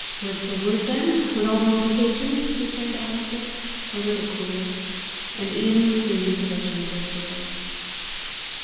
"Word for word, then, with all the imprecations!" returned Alister, a little cooler; and Ian was soon in possession of the story.